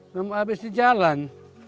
namun habis di jalan